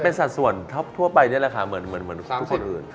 เป็นสัดส่วนทั่วไปนี่แหละค่ะเหมือนทุกคนอื่น